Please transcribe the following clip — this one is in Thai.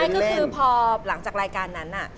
ก็คือพอหลังจากรายการนั้น